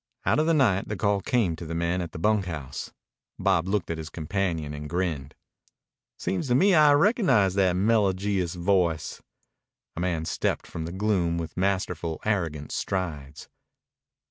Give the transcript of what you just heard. Out of the night the call came to the men at the bunkhouse. Bob looked at his companion and grinned. "Seems to me I recognize that melojious voice." A man stepped from the gloom with masterful, arrogant strides.